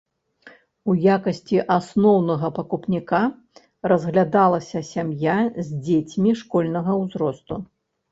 У якасці асноўнага пакупніка разглядалася сям'я з дзецьмі школьнага ўзросту.